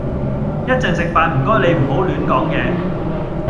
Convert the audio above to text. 一陣食飯唔該你唔好亂講嘢